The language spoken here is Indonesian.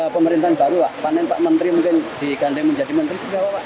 pemerintahan baru lah panen pak menteri mungkin diganteng menjadi menteri